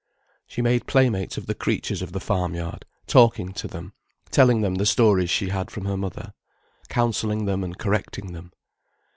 She made playmates of the creatures of the farmyard, talking to them, telling them the stories she had from her mother, counselling them and correcting them.